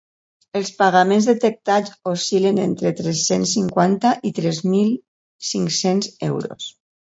Els pagaments detectats oscil·len entre tres-cents cinquanta i tres mil cinc-cents euros.